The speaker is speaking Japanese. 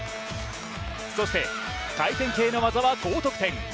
そして回転系の技は高得点。